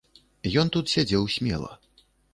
Ён тут сядзеў смела.